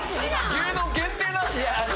牛丼限定なんですか。